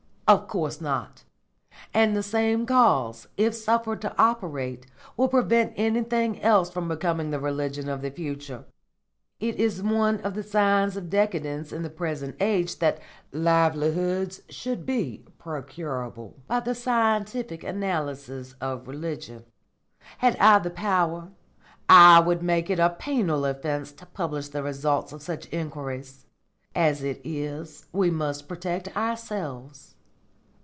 "Of course not. And the same cause, if suffered to operate, will prevent anything else from becoming the religion of the future. It is one of the signs of decadence in the present age that livelihoods should be procurable by the scientific analysis of religion. Had I the power, I would make it a penal offence to publish the results of such inquiries. As it is, we must protect ourselves.